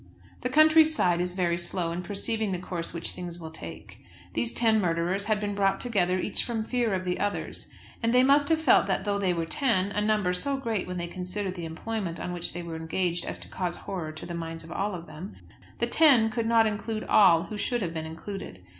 The country's side is very slow in perceiving the course which things will take. These ten murderers had been brought together, each from fear of the others; and they must have felt that though they were ten, a number so great when they considered the employment on which they were engaged as to cause horror to the minds of all of them, the ten could not include all who should have been included.